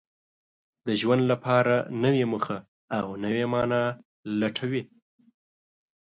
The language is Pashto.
د ژوند لپاره نوې موخه او نوې مانا لټوي.